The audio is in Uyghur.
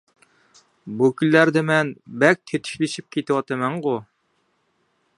بۇ كۈنلەردە مەن بەك تېتىكلىشىپ كېتىۋاتىمەنغۇ!